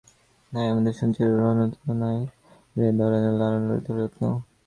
নাই আমাদের সঞ্চিত ধনরত্ন, নাই রে ঘরের লালন ললিত যত্ন।